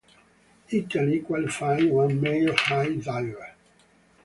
Italy qualified one male high diver.